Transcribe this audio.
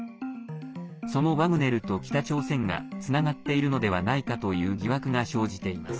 そのワグネルと北朝鮮がつながっているのではないかという疑惑が生じています。